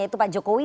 yaitu pak jokowi